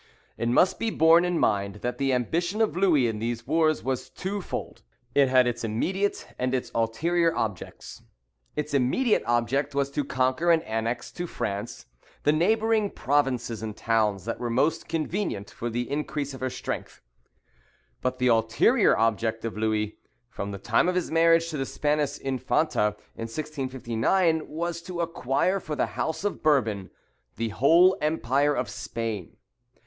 It must be borne in mind that the ambition of Louis in these wars was twofold. It had its immediate and its ulterior objects. Its immediate object was to conquer and annex to France the neighbouring provinces and towns that were most convenient for the increase of her strength; but the ulterior object of Louis, from the time of his marriage to the Spanish Infanta in 1659, was to acquire for the house of Bourbon the whole empire of Spain.